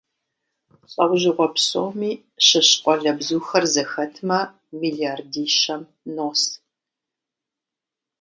ЛӀэужьыгъуэ псоми щыщ къуалэбзухэр зэхэтмэ, миллиардищэм нос.